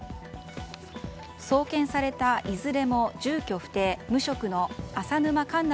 送検されたいずれも住居不定無職の浅沼かんな